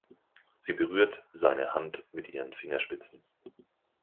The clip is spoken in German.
Sie berührt seine Hand mit ihren Fingerspitzen.